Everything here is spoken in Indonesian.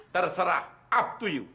terserah up to you